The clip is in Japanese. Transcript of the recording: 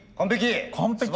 完璧？